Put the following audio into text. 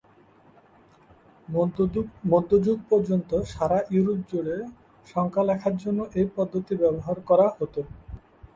মধ্যযুগ পর্যন্ত সারা ইউরোপ জুড়ে সংখ্যা লেখার জন্য এই পদ্ধতি ব্যবহার করা হত।